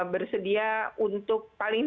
bersedia untuk paling